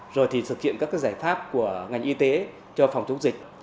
rồi thì thực hiện các giải pháp của ngành y tế cho phòng chống dịch